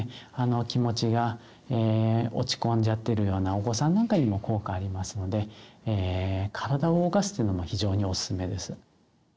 気持ちが落ち込んじゃってるようなお子さんなんかにも効果ありますので体を動かすというのも非常におすすめです。